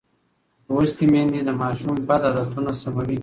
لوستې میندې د ماشوم بد عادتونه سموي.